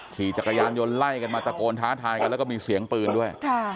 ขี่จักรยานยนต์ไล่กันมาตะโกนท้าทายกันแล้วก็มีเสียงปืนด้วย